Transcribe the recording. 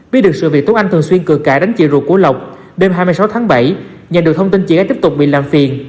biết được sự việc tú anh thường xuyên cử cãi đánh chị ruột của lộc đêm hai mươi sáu tháng bảy nhận được thông tin chị ấy tiếp tục bị làm phiền